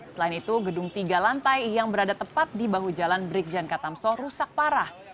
selain itu gedung tiga lantai yang berada tepat di bahu jalan brigjen katamso rusak parah